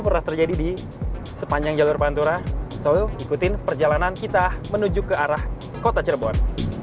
pernah terjadi di sepanjang jalur pantura solo ikutin perjalanan kita menuju ke arah kota cirebon